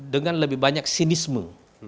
dengan lebih banyak sinisme